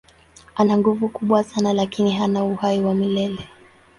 Ana nguvu kubwa sana lakini hana uhai wa milele.